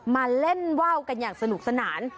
มาเล่นว่าวกันอย่างสนุกสนาน